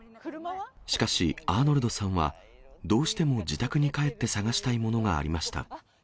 しかし、アーノルドさんは、どうしても自宅に帰って探したいものがありました。